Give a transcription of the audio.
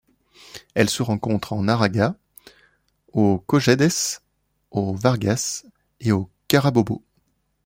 Elle se rencontre en Aragua, au Cojedes, au Vargas et au Carabobo.